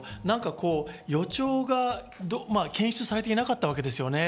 予兆が検出されてなかったわけですよね。